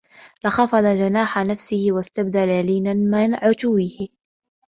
لَخَفَضَ جَنَاحَ نَفْسِهِ وَاسْتَبْدَلَ لِينًا مِنْ عُتُوِّهِ